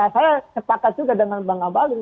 saya sepakat juga dengan bang abalin